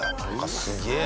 すげえ。